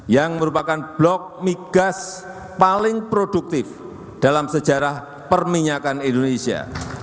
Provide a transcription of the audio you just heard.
yang merupakan blok migas paling produktif dalam sejarah perminyakan indonesia